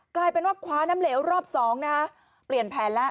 กลายเป็นว่าคว้าน้ำเหลวรอบสองนะเปลี่ยนแผนแล้ว